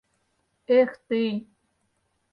Эх, тый!..»